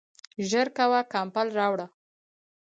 ژر کوه ، کمپل راوړه !